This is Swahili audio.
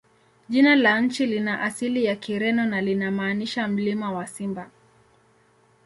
Jina la nchi lina asili ya Kireno na linamaanisha "Mlima wa Simba".